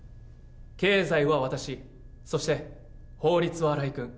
経済は私、そして法律は新井君。